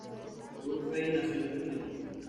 Wu Fei nació en Pekín.